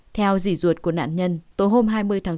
theo dỉ ruột của nạn nhân tối hôm hai mươi tháng bốn